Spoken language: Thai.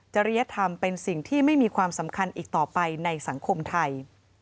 ริยธรรมเป็นสิ่งที่ไม่มีความสำคัญอีกต่อไปในสังคมไทย